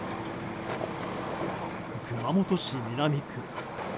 熊本市南区。